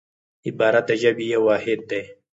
عبارت د ژبي یو واحد دئ.